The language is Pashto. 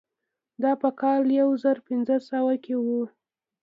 دا په کال یو زر پنځه سوه کې وه.